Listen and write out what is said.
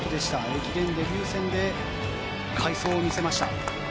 駅伝デビュー戦で快走を見せました。